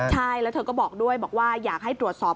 ใช่แล้วเธอก็บอกด้วยบอกว่าอยากให้ตรวจสอบ